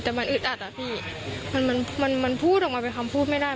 แต่มันอึดอัดอ่ะพี่มันมันพูดออกมาเป็นคำพูดไม่ได้